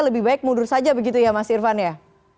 lebih baik mundur saja begitu ya mas irfan ya